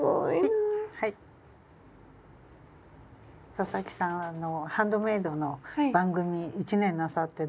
佐々木さんはハンドメイドの番組１年なさってどうですか？